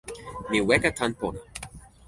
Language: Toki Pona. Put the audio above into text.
mi weka tan pona.